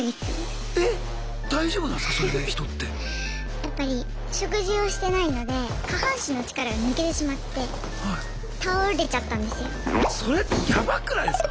やっぱり食事をしてないので下半身の力が抜けてしまって倒れちゃったんですよ。